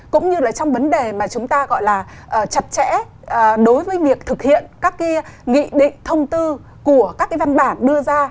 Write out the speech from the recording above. cũng như là trong vấn đề mà chúng ta gọi là chặt chẽ đối với việc thực hiện các cái nghị định thông tư của các cái văn bản đưa ra